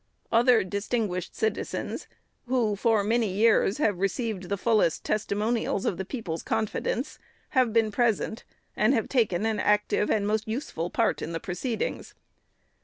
Other distinguished citizens, who, for many years, have received the fullest 493 494 THE SECRETARY'S testimonials of the people's confidence, have been present, and have taken an active and most useful part in the proceedings.